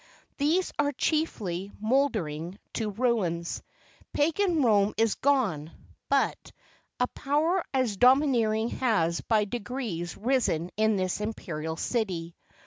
These are chiefly mouldering to ruins. Pagan Rome is gone; but 5* 54 ITALY. a power as domineering has by degrees risen in this imperial city.